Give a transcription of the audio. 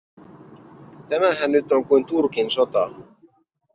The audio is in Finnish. Tämähän nyt on kuin Turkin sota.